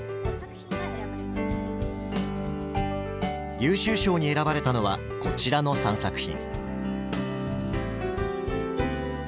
優秀賞に選ばれたのはこちらの３作品。